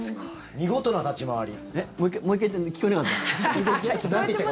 見事な立ち回り！